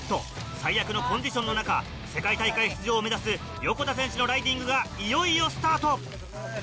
最悪のコンディションの中世界大会出場を目指す横田選手のライディングがいよいよスタート。